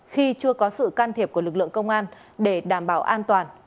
khi chưa có sự can thiệp của lực lượng công an để đảm bảo an toàn